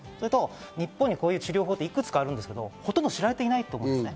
日本にこういう治療法っていくつかあるんですけど、ほとんど知られていない。